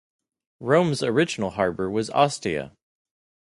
Rome's original harbour was Ostia.